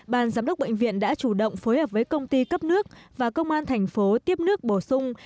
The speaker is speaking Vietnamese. ban giám đốc bệnh viện đã chủ động phối hợp với công ty cấp nước và công an thành phố tiếp nước bổ sung